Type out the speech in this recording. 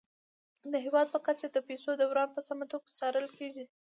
د هیواد په کچه د پيسو دوران په سمه توګه څارل کیږي.